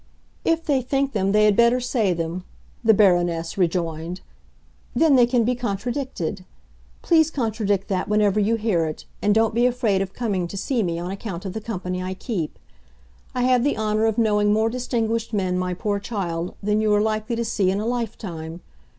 "If they think them they had better say them," the Baroness rejoined. "Then they can be contradicted. Please contradict that whenever you hear it, and don't be afraid of coming to see me on account of the company I keep. I have the honor of knowing more distinguished men, my poor child, than you are likely to see in a life time.